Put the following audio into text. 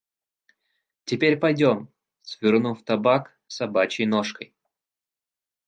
Теперь пойдём, свернув табак собачей ножкой.